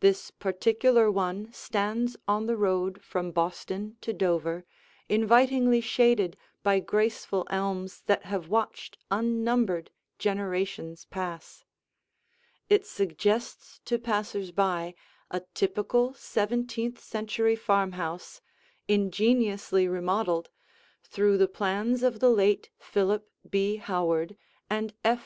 This particular one stands on the road from Boston to Dover, invitingly shaded by graceful elms that have watched unnumbered generations pass. It suggests to passers by a typical, seventeenth century farmhouse, ingeniously remodeled, through the plans of the late Philip B. Howard and F.